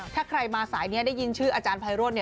ถ้าใครมาสายนี้ได้ยินชื่ออาจารย์ไพโรธ